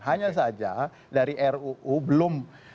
hanya saja dari ruu belum